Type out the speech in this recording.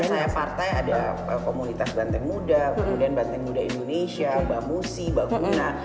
kita punya saya partai ada komunitas banteng muda kemudian banteng muda indonesia bamusi bakuna